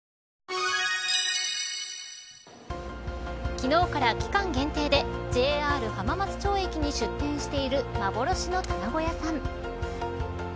昨日から期間限定でＪＲ浜松町駅に出店している幻の卵屋さん。